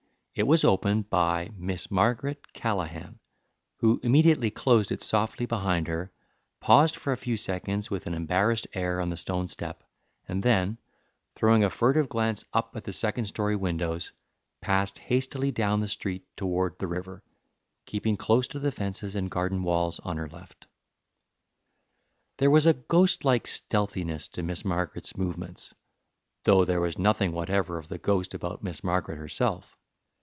It was opened by Miss Margaret Callaghan, who immediately closed it softly behind her, paused for a few seconds with an embarrassed air on the stone step, and then, throwing a furtive glance up at the second story windows, passed hastily down the street toward the river, keeping close to the fences and garden walls on her left. There was a ghostlike stealthiness to Miss Margaret's movements, though there was nothing whatever of the ghost about Miss Margaret herself.